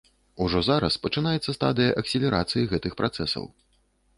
Ужо зараз пачынаецца стадыя акселерацыі гэтых працэсаў.